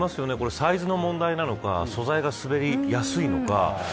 サイズの問題なのか素材が滑りやすいのか。